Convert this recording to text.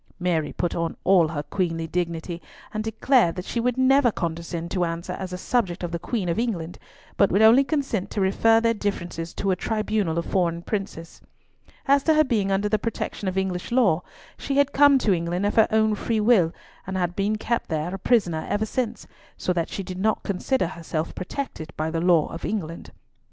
Mary put on all her queenly dignity, and declared that she would never condescend to answer as a subject of the Queen of England, but would only consent to refer their differences to a tribunal of foreign princes. As to her being under the protection of English law, she had come to England of her own free will, and had been kept there a prisoner ever since, so that she did not consider herself protected by the law of England.